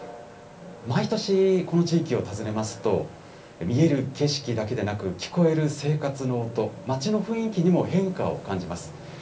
毎年この地域を訪ねますと、見える景色だけでなく、聞こえる生活の音、町の雰囲気にも変化を感じます。